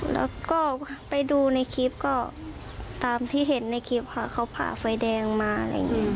แล้วก็ไปดูในคลิปก็ตามที่เห็นในคลิปค่ะเขาผ่าไฟแดงมาอะไรอย่างนี้